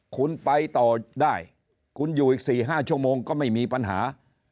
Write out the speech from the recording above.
คุณไปต่อได้คุณอยู่อีก๔๕ชั่วโมงก็ไม่มีปัญหา